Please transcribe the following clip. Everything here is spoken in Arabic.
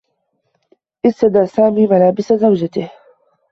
استدى سامي ملابس زوجته.